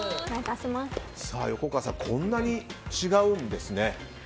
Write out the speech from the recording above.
横川さん、こんなに違うんですね。